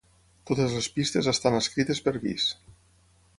Totes les pistes estan escrites per Bis.